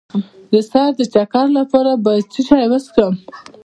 د سر د چکر لپاره باید څه شی وڅښم؟